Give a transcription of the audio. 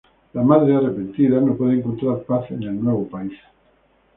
La madre, arrepentida, no puedo encontrar paz en el nuevo país.